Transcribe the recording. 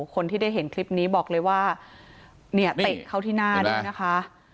คนที่ได้เห็นคลิปนี้บอกเลยว่าเนี่ยเตะเข้าที่หน้าด้วยนะคะ